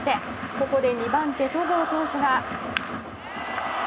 ここで２番手、戸郷投手が。